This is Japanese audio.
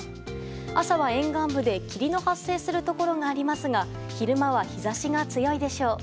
朝は沿岸部で霧の発生するところがありますが昼間は日差しが強いでしょう。